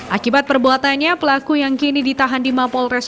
akibat perbuatannya pelaku yang kini ditahan di mapolres